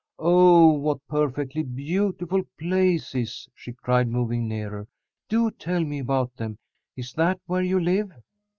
Oh, what perfectly beautiful places!" she cried, moving nearer. "Do tell me about them. Is that where you live?"